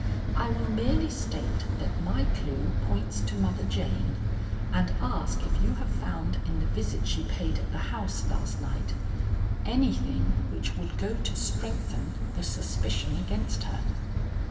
I will merely state that my clue points to Mother Jane, and ask if you have found in the visit she paid at the house last night anything which would go to strengthen the suspicion against her."